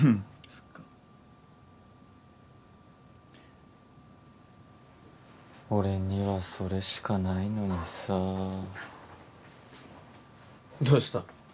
そっか俺にはそれしかないのにさどうした？